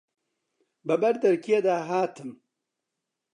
بە بەر دەرکێ دا هاتم